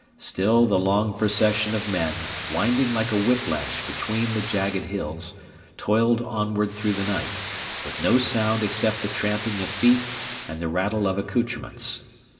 Still the long procession of men, winding like a whiplash between the jagged hills, toiled onward through the night, with no sound except the tramping of feet and the rattle of accoutrements.